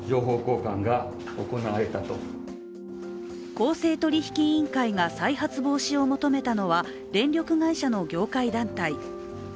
公正取引委員会が再発防止を求めたのは電力会社の業界団体。